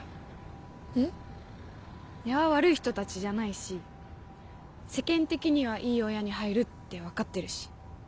根は悪い人たちじゃないし世間的にはいい親に入るって分かってるし。